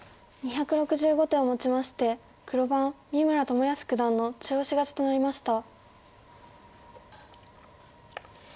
２６５手をもちまして黒番三村智保九段の中押し勝ちとなりました。